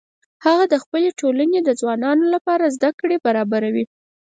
هغه د خپلې ټولنې د ځوانانو لپاره زده کړې برابروي